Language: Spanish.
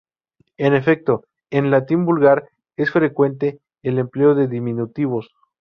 En efecto, en latín vulgar es frecuente el empleo de diminutivos.